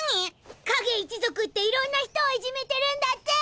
影一族っていろんな人をいじめてるんだって。